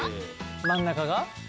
真ん中が？